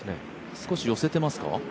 少し寄せてますか？